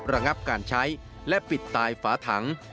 ระงับการใช้และปิดตายฝาถัง